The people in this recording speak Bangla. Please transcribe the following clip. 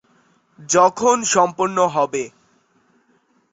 কারণ তার পিছনের দাঁত ও চোয়াল বৃহত্তর ছিল।